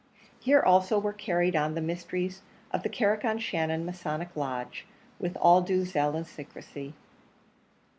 Here also were carried on the mysteries of the Carrick on Shannon masonic lodge, with all due zeal and secrecy.